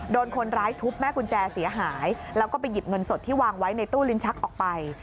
โดนคนร้ายทุบแม่กุญแจเสียหายแล้วก็ไปหยิบเงินสดที่วางไว้ในตู้ลิ้นชักออกไป